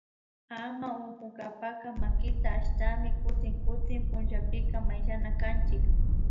Ama unkunkapacka makita ashtami kutin kutin pullapika mayllanakanchik